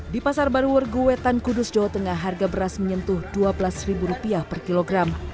di pasar baru wargu wetan kudus jawa tengah harga beras menyentuh dua belas rupiah per kilogram